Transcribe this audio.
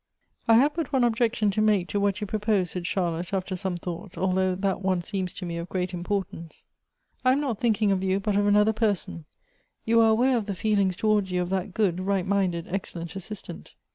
" I have but one objection to make to what you pro pose," said Charlotte, after some thought, "although that one seems to me of great im]io?"tance. I am not thinking of yon, but of another person : you are aware of the feelings towards you of that good, right minded, excellent assistant.